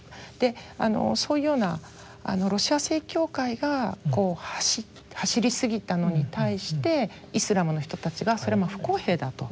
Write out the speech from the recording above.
そういうようなロシア正教会が走りすぎたのに対してイスラムの人たちがそれは不公平だと。